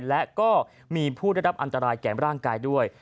และก็มีผู้ได้รับอันตรายแก่ร่างกายด้วย